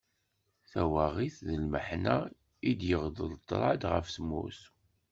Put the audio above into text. Tawaγit d lmeḥna d-yeγḍel ṭrad γef tmurt.